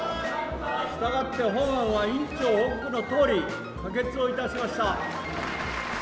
従って本案は委員長報告のとおり可決を致しました。